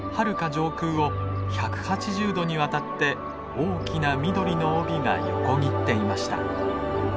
上空を１８０度にわたって大きな緑の帯が横切っていました。